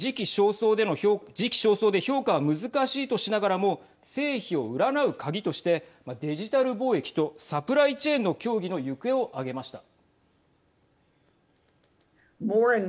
時期尚早で評価は難しいとしながらも成否を占う鍵としてデジタル貿易とサプライチェーンの協議の行方を挙げました。